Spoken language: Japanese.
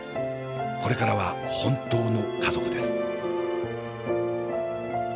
これからは本当の家族です。